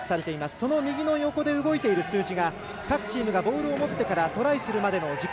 その右の横で動いている数字が各チームがボールを持ってからトライするまでの時間。